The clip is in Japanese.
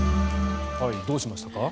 どうしましたか？